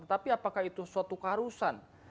tetapi apakah itu suatu keharusan